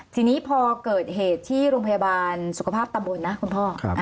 ทีนี้พอเกิดเหตุที่โรงพยาบาลสุขภาพตำบลนะคุณพ่อ